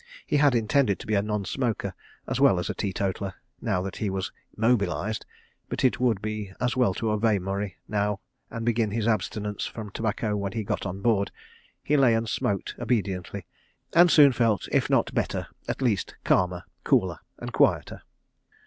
He had intended to be a non smoker as well as a teetotaller, now that he was "mobilised," but it would be as well to obey Murray now and begin his abstinence from tobacco when he got on board. He lay and smoked obediently, and soon felt, if not better, at least calmer, cooler and quieter.